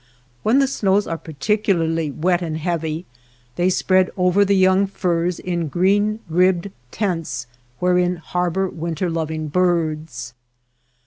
When, the snows are particularly wet and heavy they spread over the young firs in green ribbed tents wherein harbor winter loving birds.